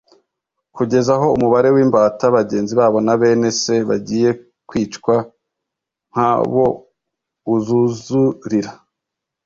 kugeza aho umubare w’imbata bagenzi babo na bene Se bagiye kwicwa nka bo uzuzurira.